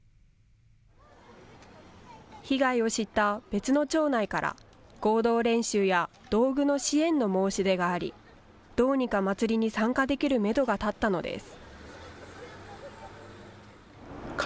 被害を知った別の町内から、合同練習や道具の支援の申し出があり、どうにかまつりに参加できるメドが立ったのです。